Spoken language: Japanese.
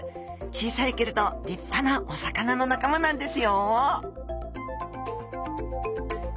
小さいけれど立派なお魚の仲間なんですよ